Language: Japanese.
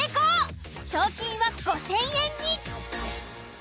賞金は５、０００円に。